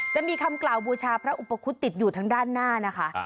จะมีคำกล่าวบูชาพระอุปคุฎติดอยู่ทางด้านหน้านะคะ